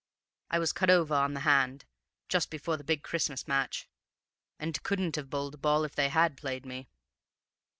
I was cut over on the hand, just before the big Christmas match, and couldn't have bowled a ball if they had played me.